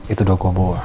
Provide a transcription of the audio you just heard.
itu udah gue buang